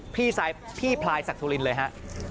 พี่พลายศักดิ์สุรินเลยฮะ